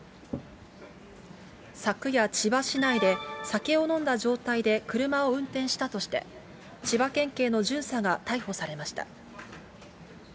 昨夜、千葉市内で酒を飲んだ状態で車を運転したとして、千葉県警の巡査が逮捕されました。